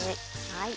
はい。